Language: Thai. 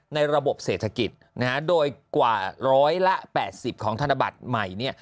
ในระบบเศรษฐกิจนะฮะโดยกว่าร้อยละ๘๐ของธนบัตรใหม่เนี่ย